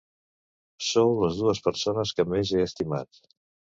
Sou les dues persones que més he estimat.